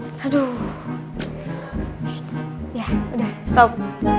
sst ya udah stop